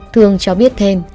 thương cho biết thêm